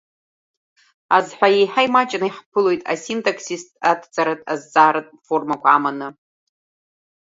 Азҳәа еиҳа имаҷны иаҳԥылоит асинтақсистә адҵаратә, азҵааратә формақәа аманы.